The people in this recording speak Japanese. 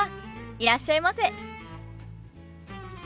いらっしゃいませ。